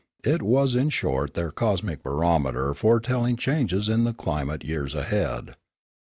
It was in short their cosmic barometer foretelling changes in climate years ahead.